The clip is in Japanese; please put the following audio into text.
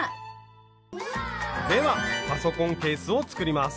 ではパソコンケースを作ります。